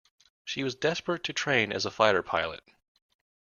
She was desperate to train as a fighter pilot.